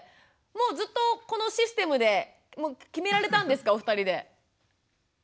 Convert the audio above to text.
もうずっとこのシステムで決められたんですかお二人で？